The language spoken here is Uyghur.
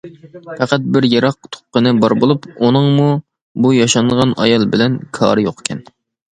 پەقەت بىر يىراق تۇغقىنى بار بولۇپ، ئۇنىڭمۇ بۇ ياشانغان ئايال بىلەن كارى يوقكەن.